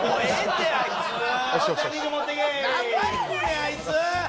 あいつ。